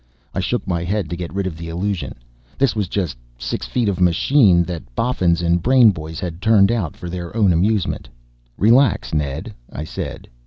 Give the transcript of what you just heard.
I shook my head to get rid of the illusion. This was just six feet of machine that boffins and brain boys had turned out for their own amusement. "Relax, Ned," I said.